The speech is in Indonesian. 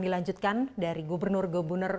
dilanjutkan dari gubernur gubernur